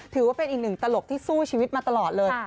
ถือว่าเป็นอีกหนึ่งตลกที่สู้ชีวิตมาตลอดเลย